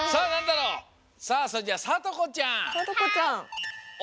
さあそれじゃさとこちゃんはい！